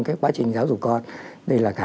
cái quá trình giáo dục con đây là cả